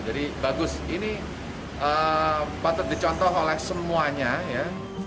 jadi bagus ini patut dicontoh oleh semuanya ya